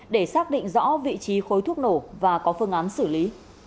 để xác định rõ vị trí khối thuốc nổ và có phương án xử lý